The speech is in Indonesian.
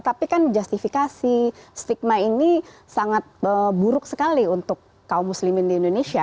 tapi kan justifikasi stigma ini sangat buruk sekali untuk kaum muslimin di indonesia